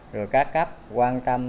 rồi các cấp quan tâm